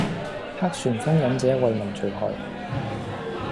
黑旋風忍者為民除害